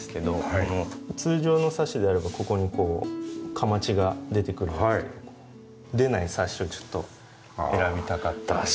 この通常のサッシであればここにこう框が出てくるんですけど出ないサッシをちょっと選びたかったので。